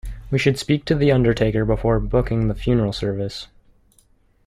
We should speak to the undertaker before booking the funeral service